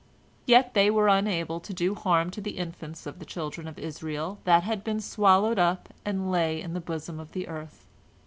Yet they were unable to do harm to the infants of the children of Israel that had been swallowed up and lay in the bosom of the earth.